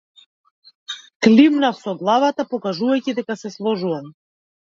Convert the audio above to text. Климнав со главата, покажувајќи дека се сложувам.